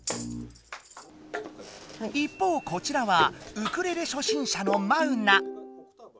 一方こちらはウクレレ初心者のマウナ。